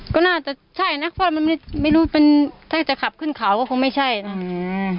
ก็น่าจะใช่นะเพราะมันไม่รู้เป็นถ้าจะขับขึ้นเขาก็คงไม่ใช่นะอืม